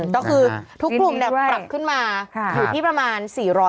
ก็คือทุกกลุ่มปรับขึ้นมาอยู่ที่ประมาณ๔๐๐